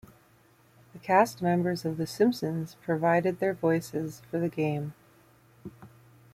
The cast members of "The Simpsons" provided their voices for the game.